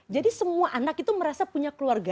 jadi semua anak itu merasa punya keluarga